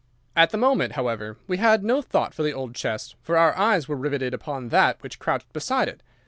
"At the moment, however, we had no thought for the old chest, for our eyes were riveted upon that which crouched beside it.